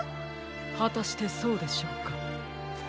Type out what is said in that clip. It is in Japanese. はたしてそうでしょうか？